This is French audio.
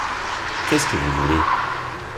Qu’est-ce que vous voulez?